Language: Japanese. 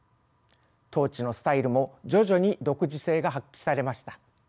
統治のスタイルも徐々に独自性が発揮されました。